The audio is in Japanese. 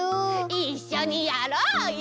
いっしょにやろうよ！